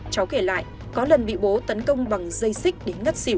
cháu kể lại có lần bị bố tấn công bằng dây xích để ngất xỉu